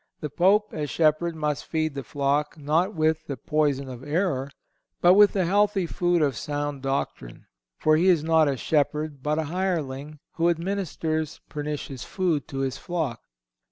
The Pope, as shepherd, must feed the flock not with the poison of error, but with the healthy food of sound doctrine; for he is not a shepherd, but a hireling, who administers pernicious food to his flock.